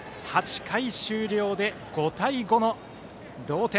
８回終了で５対５の同点。